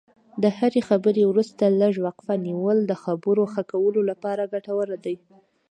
د هرې خبرې وروسته لږه وقفه نیول د خبرو ښه کولو لپاره ګټور دي.